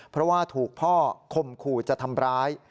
เพราะว่าถูกพ่อคมขู่จะทำร้าย